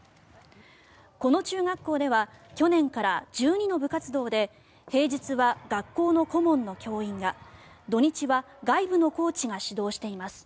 この中学校では去年から１２の部活動で平日は学校の顧問の教員が土日は外部のコーチが指導しています。